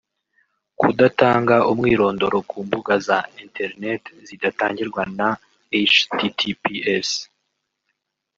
Kudatanga umwirondoro ku mbuga za internet zidatangirwa na “https